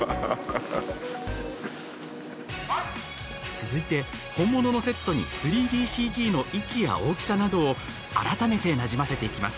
続いて、本物のセットに３ＤＣＧの位置や大きさなどを改めて、なじませていきます。